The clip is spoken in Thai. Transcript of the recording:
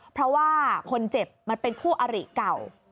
เพราะว่าคนเจ็บมันเป็นคู่อริเก่า